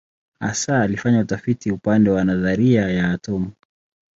Hasa alifanya utafiti upande wa nadharia ya atomu.